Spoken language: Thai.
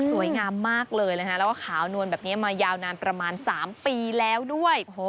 สวยงามมากเลยนะคะแล้วก็ขาวนวลแบบนี้มายาวนานประมาณ๓ปีแล้วด้วย